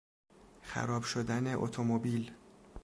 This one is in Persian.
خراب شدن اتومبیل